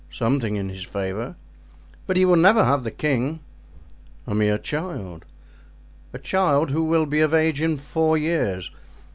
"Something in his favor." "But he will never have the king." "A mere child." "A child who will be of age in four years.